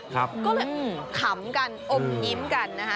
ก็เลยขำกันอมยิ้มกันนะคะ